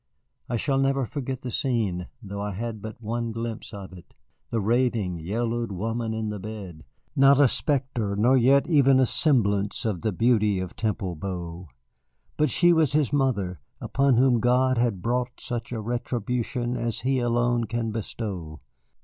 I shall never forget the scene, though I had but the one glimpse of it, the raving, yellowed woman in the bed, not a spectre nor yet even a semblance of the beauty of Temple Bow. But she was his mother, upon whom God had brought such a retribution as He alone can bestow.